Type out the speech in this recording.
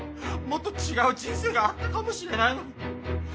もっと違う人生があったかもしれないのに。